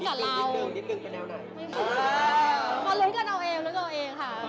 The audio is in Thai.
ตอนนี้ทัวร์ยังลงอยู่ไหมครับ